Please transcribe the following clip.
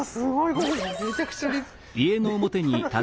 ここめちゃくちゃ立派な。